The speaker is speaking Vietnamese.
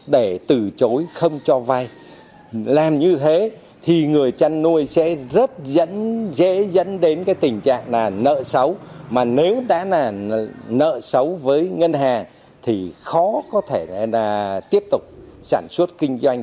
đối với ngân hàng thì khó có thể là tiếp tục sản xuất kinh doanh